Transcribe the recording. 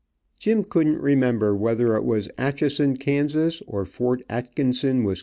Jim couldn't remember whether it was Atchison, Kan., or Fort Atkinson, Wis.